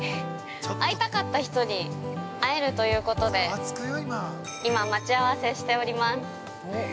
会いたかった人に会えるということで今、待ち合わせしております。